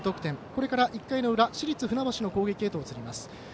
これから１回の裏市立船橋の攻撃へと移ります。